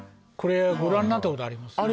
これご覧になったことあります？